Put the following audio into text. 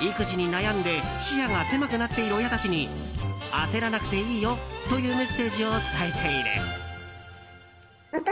育児に悩んで視野が狭くなっている親たちに焦らなくていいよというメッセージを伝えている。